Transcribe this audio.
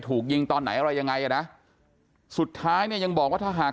ถูกยิงตอนไหนอะไรยังไงอ่ะนะสุดท้ายเนี่ยยังบอกว่าถ้าหาก